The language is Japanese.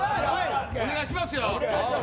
お願いしますよ。